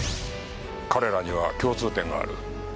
彼らには共通点がある。